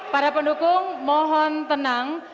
para pendukung mohon tenang